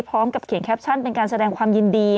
พร้อมกับเขียนแคปชั่นเป็นการแสดงความยินดี